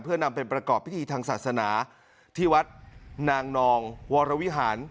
เพื่อนำไปประกอบพิธีทางศาสนาที่วัดนางนองวรวิหาร